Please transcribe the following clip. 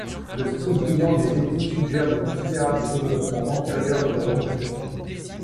Le style brillant des écrits suggère de considérables développements antérieurs de la langue turque.